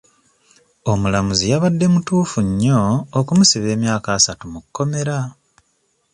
Omulamuzi yabadde mutuufu nnyo okumusiba emyaka asatu mu kkomera.